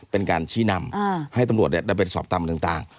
เป็นการชี้นำให้ตำรวจได้เป็นสอบตามต่าง